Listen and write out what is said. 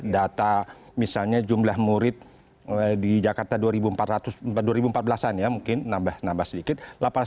data misalnya jumlah murid di jakarta dua ribu empat belas an ya mungkin nambah sedikit delapan ratus dua puluh lima